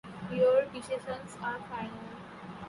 Your decisions are final.